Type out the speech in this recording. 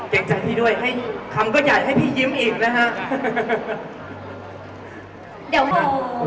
เก่งใจพี่ด้วยคำก็อย่าให้พี่ยิ้มอีกนะฮะ